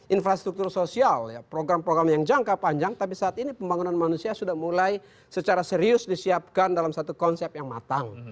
infrastruktur sosial ya program program yang jangka panjang tapi saat ini pembangunan manusia sudah mulai secara serius disiapkan dalam satu konsep yang matang